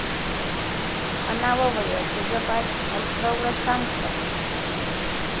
انا وویل چې زه باید خپل کړه وړه سم کړم.